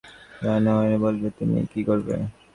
এখন, কাজ শেষ হওয়া না পর্যন্ত হান জং-হি যা বলেবে তুমি করবে।